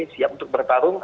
siap untuk bertarung